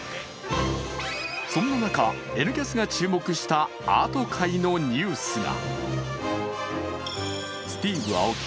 そんな中、「Ｎキャス」が注目したアート界のニュースが。